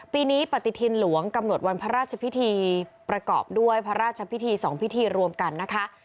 ปีนี้ปฏิทินหลวงกำหนดวันพระราชพิธีประกอบด้วยพระราชพิธี๒พิธีรวมกันนะคะ